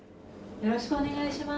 よろしくお願いします。